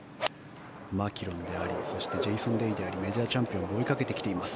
マキロイでありそしてジェイソン・デイでありメジャーチャンピオンを追いかけてきています。